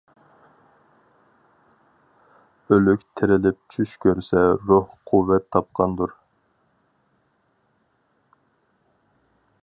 ئۆلۈك تىرىلىپ چۈش كۆرسە روھ قۇۋۋەت تاپقاندۇر.